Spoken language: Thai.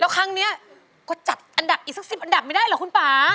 ครั้งนี้ก็จัดอันดับอีกสัก๑๐อันดับไม่ได้เหรอคุณป่า